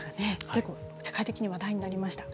結構世界的に話題になりました。